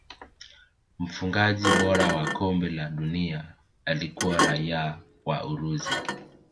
mfungaji bora wa kombe la dunia alikuwa raia wa urusi